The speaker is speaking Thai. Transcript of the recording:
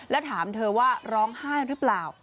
แล้วถามเธอว่าร้องไห้หรือเปล่า